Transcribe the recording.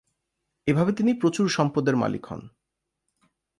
এভাবে তিনি প্রচুর সম্পদের মালিক হন।